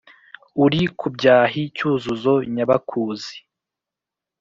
Uri ku byahi Cyuzuzo cy’abakuzi